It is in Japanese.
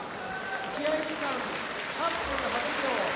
試合時間８分８秒。